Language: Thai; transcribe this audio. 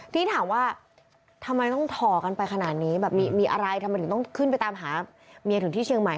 ที่ถามว่าทำไมต้องถ่อกันไปขนาดนี้แบบมีอะไรทำไมถึงต้องขึ้นไปตามหาเมียถึงที่เชียงใหม่